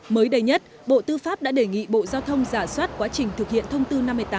mới đây nhất bộ tư pháp đã đề nghị bộ giao thông giả soát quá trình thực hiện thông tư năm mươi tám